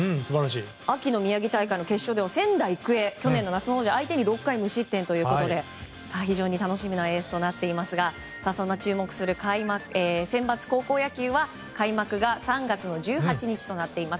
秋の宮城大会では決勝では仙台育英去年の夏の王者相手に６回無失点ということで、非常に楽しみなエースとなっていますがそんな注目するセンバツ高校野球は開幕が３月の１８日となっています。